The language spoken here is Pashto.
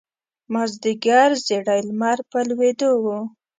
مازیګر زیړی لمر په لویېدو و.